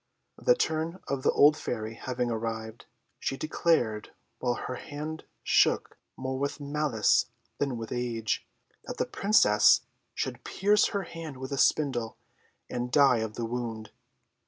The turn of the old Fairy having arrived, she declared, while her head shook more with malice than with age, that the Princess should pierce her hand with a spindle, and die of the wound.